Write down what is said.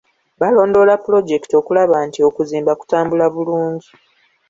Baalondoola pulojekiti okulaba nti okuzimba kutambula bulungi.